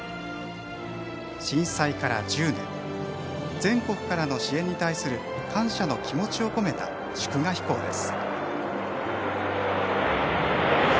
震災から１０年全国からの支援に対する感謝の気持ちを込めた祝賀飛行です。